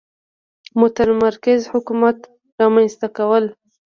متمرکز حکومت رامنځته کول.